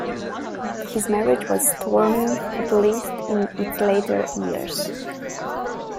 His marriage was stormy, at least in its later years.